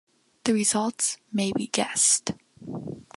The results may be guessed.